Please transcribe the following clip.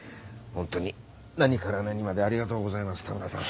ホントに何から何までありがとうございます田村さん。